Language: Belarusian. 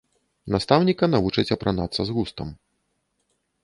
Настаўніка навучаць апранацца з густам.